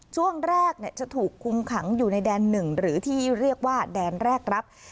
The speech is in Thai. ช่วงแรกเนี่ยจะถูกคุมขังอยู่ในแดนหนึ่งหรือที่เรียกว่าแดนแรกครับค่ะ